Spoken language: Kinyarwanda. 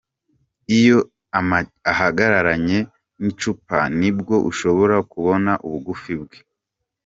Iyo Amge ahagararanye n'icupa ni bwo ushobora kubona ubugufi bwe.